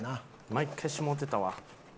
毎回しもうてたわ。